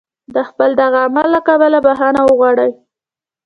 د خپل دغه عمل له کبله بخښنه وغواړي.